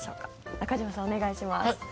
中島さん、お願いします。